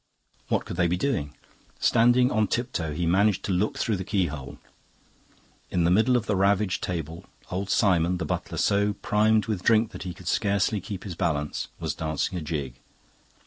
What could they be doing? Standing on tiptoe he managed to look through the keyhole. In the middle of the ravaged table old Simon, the butler, so primed with drink that he could scarcely keep his balance, was dancing a jig.